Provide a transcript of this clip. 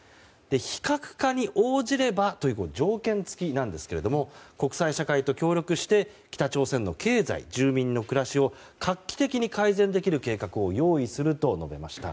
非核化に応じればという条件付きなんですが国際社会と協力して北朝鮮の経済住民の暮らしを画期的に改善できる計画を用意すると述べました。